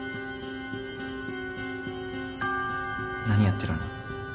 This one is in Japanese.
何やってるの？